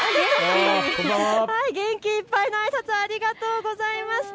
元気いっぱいのあいさつ、ありがとうございます。